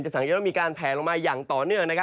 สังเกตว่ามีการแผลลงมาอย่างต่อเนื่อง